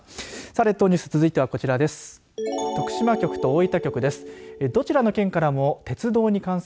列島ニュース続いてはこちらです。